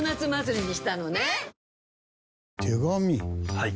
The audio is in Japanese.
はい。